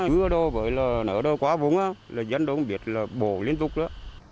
mưa đâu bởi là nở đôi quá vúng á là dân đâu biết là bồ liên tục đó